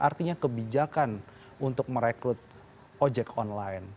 artinya kebijakan untuk merekrut ojek online